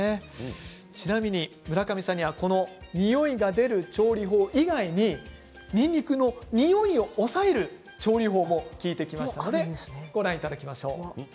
ちなみに村上さんにはにおいが出る調理法以外ににんにくのにおいを抑える調理法も聞いてきました。